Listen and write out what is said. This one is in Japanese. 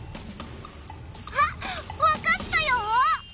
あっわかったよ！